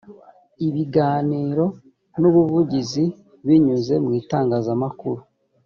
ibiganiro n’ubuvugizi binyuze mu itangazamakur